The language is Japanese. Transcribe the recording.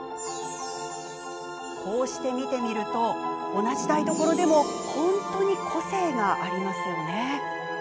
こうして見てみると同じ台所でも本当に個性がありますよね。